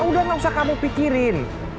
udah gak usah kamu pikirin